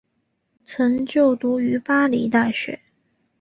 曾就读于巴黎大学。